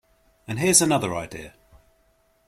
And here's another idea.